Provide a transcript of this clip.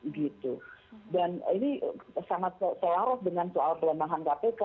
dan ini sangat selaruh dengan soal perlombahan kpk